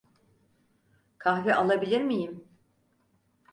Kahve alabilir miyim?